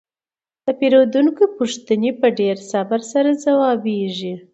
د پیرودونکو پوښتنې په ډیر صبر سره ځوابیږي.